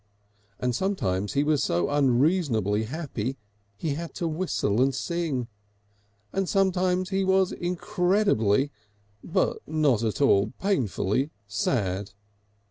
And sometimes he was so unreasonably happy he had to whistle and sing, and sometimes he was incredibly, but not at all painfully, sad.